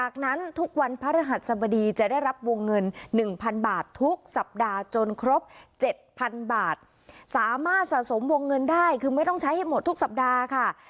สามารถสะสมวงเงินได้คือไม่ต้องใช้ให้หมดทุกสัปดาห์ค่ะ